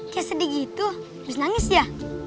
kayak sedih gitu terus nangis ya